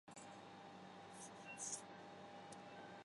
在基础建设方面